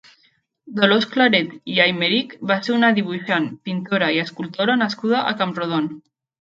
Dolors Claret i Aymerich va ser una dibuixant, pintor i escultor nascuda a Camprodon.